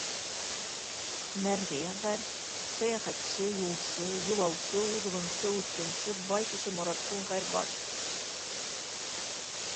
Мәрғиә ғәр. — сәйәхәтсе, юлсы; юлаусы, уҙғынсы, үткенсе — бай кеше Моратҡол ғәр., баш.